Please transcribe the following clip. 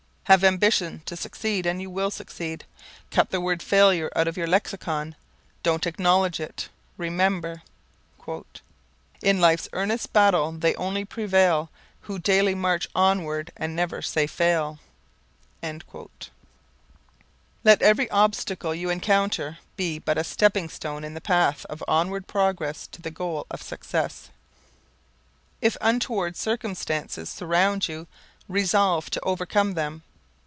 Have ambition to succeed and you will succeed. Cut the word "failure" out of your lexicon. Don't acknowledge it. Remember "In life's earnest battle they only prevail Who daily march onward and never say fail." Let every obstacle you encounter be but a stepping stone in the path of onward progress to the goal of success. If untoward circumstances surround you, resolve to overcome them.